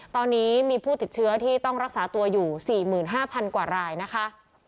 ตอนนี้มีผู้ติดเชื้อที่ต้องรักษาตัวอยู่๔๕๐๐กว่ารายนะคะ